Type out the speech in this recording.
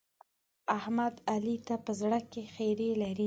احمد؛ علي ته په زړه کې خيری لري.